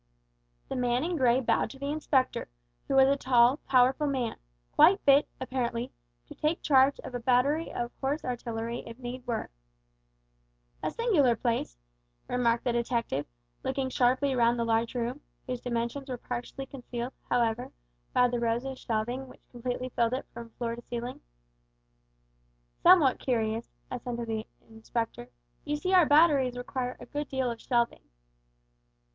The man in grey bowed to the Inspector, who was a tall, powerful man, quite fit, apparently, to take charge of a battery of horse artillery if need were. "A singular place," remarked the detective, looking sharply round the large room, whose dimensions were partially concealed, however, by the rows of shelving which completely filled it from floor to ceiling. "Somewhat curious," assented the Inspector; "you see our batteries require a good deal of shelving.